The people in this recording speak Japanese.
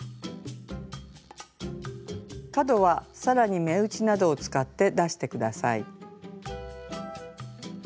角は更に目打ちなどを使って出して下さい。